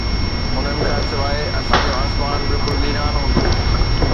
انهن کان سواءِ اسان جو آسمان بلڪل ويران هوندو